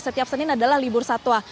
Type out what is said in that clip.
setiap senin adalah libur satwa